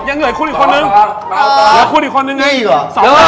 ยังยิงยาวปะกะเป่ายิงช็อป